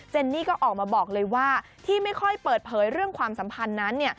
นี่ก็ออกมาบอกเลยว่าที่ไม่ค่อยเปิดเผยเรื่องความสัมพันธ์นั้น